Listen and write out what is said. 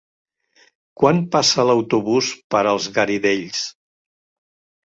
Quan passa l'autobús per els Garidells?